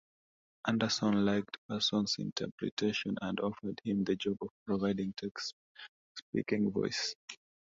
Anderson liked Parsons' interpretation and offered him the job of providing Tex's speaking voice.